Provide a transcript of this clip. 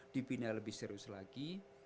dibina lebih serius lagi